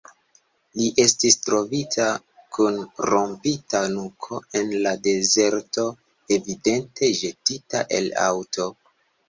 Li estis trovita kun rompita nuko en la dezerto, evidente ĵetita el aŭto.